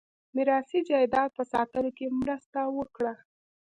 میراثي جایداد په ساتلو کې مرسته وکړه.